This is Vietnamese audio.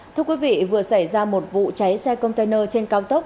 thưa quý vị vừa xảy ra một vụ cháy xe container trên cao tốc